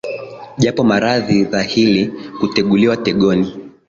Japo maradhi dhahili, kuteguliwa tegoni,